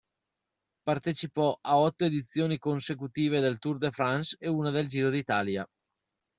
Partecipò a otto edizioni consecutive del Tour de France e una del Giro d'Italia.